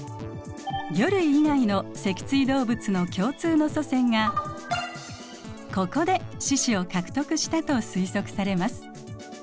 魚類以外の脊椎動物の共通の祖先がここで四肢を獲得したと推測されます。